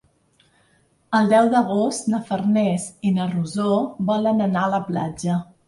El deu d'agost na Farners i na Rosó volen anar a la platja.